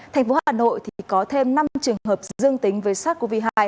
thành phố hà nội có thêm năm trường hợp dương tính với sars cov hai